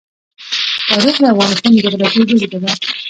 تاریخ د افغانستان د جغرافیې بېلګه ده.